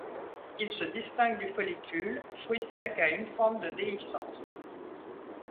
Il se distingue du follicule, fruit sec à une fente de déhiscence.